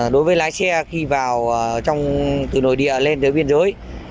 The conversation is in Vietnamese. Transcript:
đối với lái xe khi vào từ nội địa lên tới biên giới